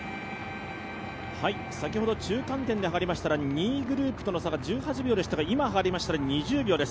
先ほど中間点ではかりましたら、２位グループとの差が１８秒でしたが今はかりましたら２０秒です。